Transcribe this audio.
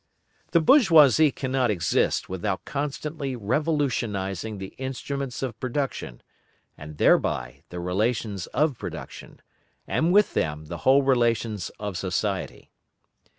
The bourgeoisie cannot exist without constantly revolutionising the instruments of production, and thereby the relations of production, and with them the whole relations of society.